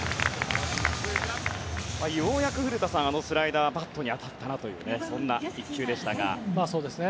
ようやく古田さんスライダーがバットに当たったというそんな１球でした。